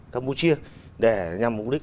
campuchia để nhằm mục đích